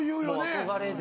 憧れで。